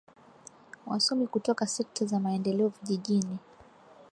wasomi kutoka sekta za maendeleo vijijini